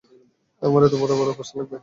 আমার এতো বড় বড় পোস্টার লাগাবে।